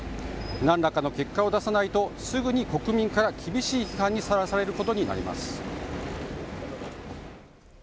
何らかの結果を出さないとすぐに国民から厳しい批判にさらされることになります。